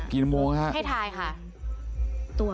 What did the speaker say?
กี่โมงค่ะให้ทายค่ะตัว